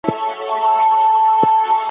پیغمبر د نورو حقونو ته درناوی سپارښتنه کوي.